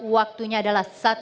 waktunya adalah satu menit